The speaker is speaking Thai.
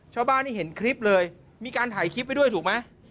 ชาวบ้านนี่เห็นคลิปเลยมีการถ่ายคลิปไว้ด้วยถูกไหม